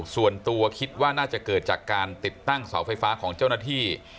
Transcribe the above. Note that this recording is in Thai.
ส่วนตัวคิดว่าน่าจะเกิดจากการติดตั้งเสาไฟฟ้าของเจ้าหน้าที่